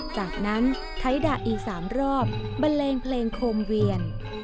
จากนั้นไทยด่าอีก๓รอบบันเลงเพลงโคมเวียน